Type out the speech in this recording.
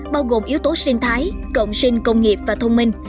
bao gồm yếu tố sinh thái cộng sinh công nghiệp và thông minh